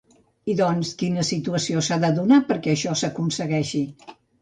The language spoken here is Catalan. I doncs, quina situació s'ha de donar perquè això s'aconsegueixi?